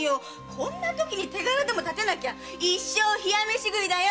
こんなとき手柄でもたてなきゃ一生冷や飯食いだよ！